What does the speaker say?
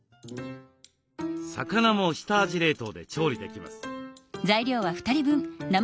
魚も下味冷凍で調理できます。